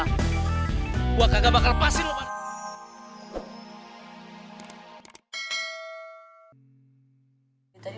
gue gak akan lepasin lo pada